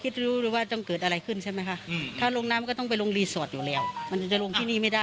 ทำไมต้องไปรีสอร์ท